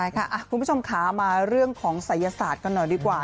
คุณผู้ชมขามาเรื่องของศัยศาสตร์กันหน่อยดีกว่า